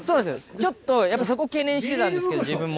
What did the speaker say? ちょっとやっぱそこ懸念してたんです自分も。